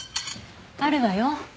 あるわよ。